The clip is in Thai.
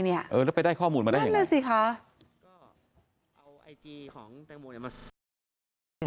เออน่ะไปได้ข้อมูลมาได้เห็นไหมครับณสิค่ะ